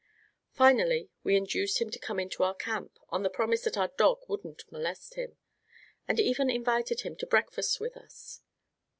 Finally we induced him to come into our camp, on the promise that our dog wouldn't molest him, and even invited him to breakfast with us.